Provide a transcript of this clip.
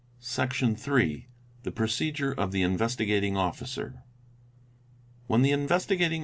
Section iiii—The Procedure of the Investigating Officer. When the Investigating.